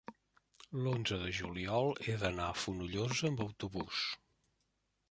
l'onze de juliol he d'anar a Fonollosa amb autobús.